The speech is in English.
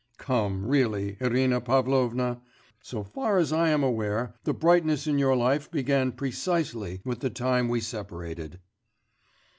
'Come, really, Irina Pavlovna! So far as I am aware, the brightness in your life began precisely with the time we separated....